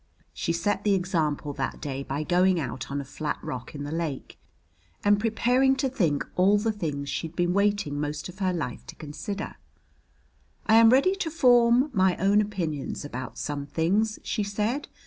She set the example that day by going out on a flat rock in the lake and preparing to think all the things she'd been waiting most of her life to consider. "I am ready to form my own opinions about some things," she said.